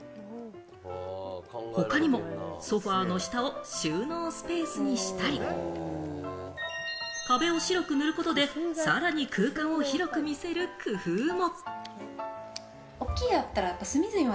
他にもソファの下を収納スペースにしたり、壁を白く塗ることで、さらに空間を広く見せる工夫も。